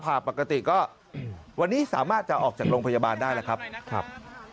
ผ่าปกติก็วันนี้สามารถจะออกจากโรงพยาบาลได้แล้วครับ